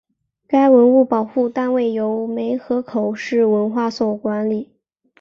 该文物保护单位由梅河口市文物所管理。